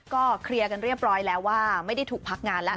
ก็เคลียร์กันเรียบร้อยแล้วว่าไม่ได้ถูกพักงานแล้ว